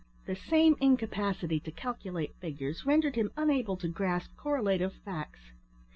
The same incapacity to calculate figures rendered him unable to grasp correlative facts.